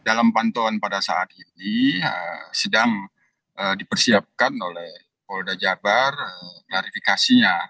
dalam pantauan pada saat ini sedang dipersiapkan oleh polda jabar klarifikasinya